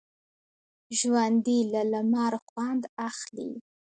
ژوندي له لمر خوند اخلي